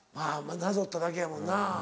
なぞっただけやもんな。